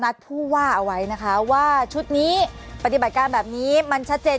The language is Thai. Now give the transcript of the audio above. ผู้ว่าเอาไว้นะคะว่าชุดนี้ปฏิบัติการแบบนี้มันชัดเจน